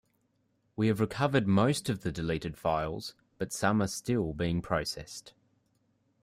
We have recovered most of the deleted files, but some are still being processed.